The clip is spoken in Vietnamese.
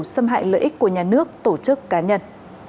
xâm hại lợi ích của nhà nước tổ chức cá nhân